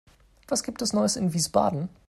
Was gibt es Neues in Wiesbaden?